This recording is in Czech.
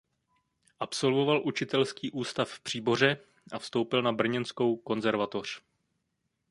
Absolvoval učitelský ústav v Příboře a vstoupil na brněnskou konzervatoř.